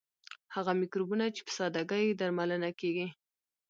هغه مکروبونه چې په ساده ګۍ درملنه کیږي.